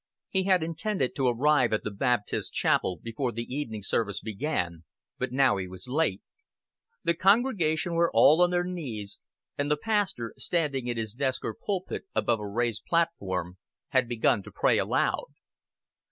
He had intended to arrive at the Baptist Chapel before the evening service began, but now he was late. The congregation were all on their knees, and the pastor, standing in his desk or pulpit above a raised platform, had begun to pray aloud.